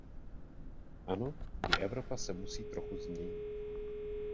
Ano i Evropa se musí trochu změnit.